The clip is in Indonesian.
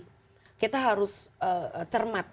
kita harus cermat